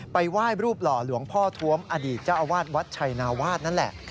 ไปไหว้รูปหล่อหลวงพ่อทวมอดีตเจ้าอาวาสวัดชัยนาวาสนั่นแหละ